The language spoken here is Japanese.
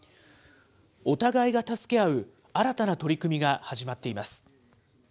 お互いが助け合う新たな取り組みが始まっています。